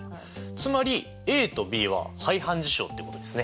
つまりＡとＢは排反事象ということですね。